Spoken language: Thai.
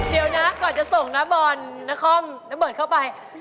เดี๋ยวนะก่อนจะส่งนะบอลนะเคิ่มนะเบิร์ตเข้าไป